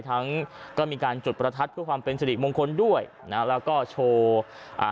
ทั้งก็มีการจุดประทัดเพื่อความเป็นสิริมงคลด้วยนะแล้วก็โชว์อ่า